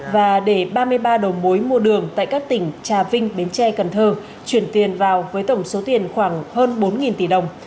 và để ba mươi ba đầu mối mua đường tại các tỉnh trà vinh bến tre cần thơ chuyển tiền vào với tổng số tiền khoảng hơn bốn tỷ đồng